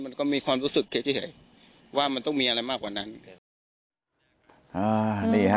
มันก็มีความรู้สึกเฉยว่ามันต้องมีอะไรมากกว่านั้น